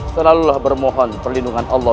selalulah bermohon perlindungan allah